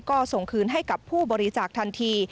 ก็ส่งคืนให้กับผู้บริจาคทันที